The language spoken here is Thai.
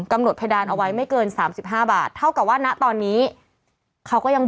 เป็นคุณล่างปฏิบัติไม่ไม่นานระเบิดนี่นะครับ